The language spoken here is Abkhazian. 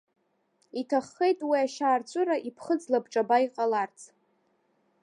Иҭаххеит уи ашьаарҵәыра иԥхыӡ лабҿаба иҟаларц.